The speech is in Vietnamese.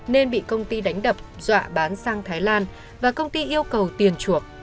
nên bị công ty đánh đập dọa bán sang thái lan và công ty yêu cầu tiền chuộc